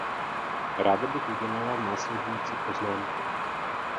Ráda bych udělala následující poznámky.